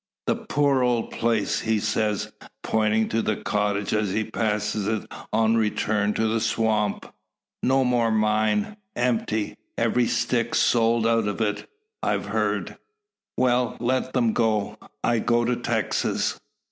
"The poor old place!" he says, pointing to the cottage as he passes it on return to the swamp. "No more mine! Empty every stick sold out of it, I've heard. Well, let them go! I go to Texas."